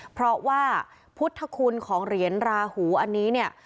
เพราะว่าพุทธคุณของเหรียญราหูอันนี้เนี่ย